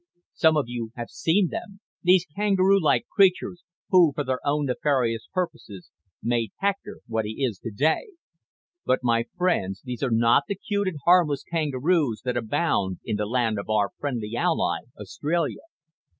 Some of you have seen them these kangaroo like creatures who, for their own nefarious purposes, made Hector what he is today. "But, my friends, these are not the cute and harmless kangaroos that abound in the land of our friendly ally, Australia.